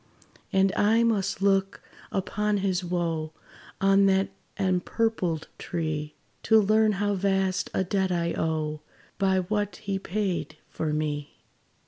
And I must look upon his wo, On that empurpled tree, To learn how vast a debt I owe, By what he paid for me.